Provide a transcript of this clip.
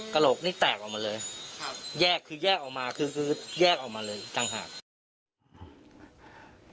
กระดูกนี้แตกออกมาเลยแยกคือแยกออกมาคือแยกออกมาเลยจังหาก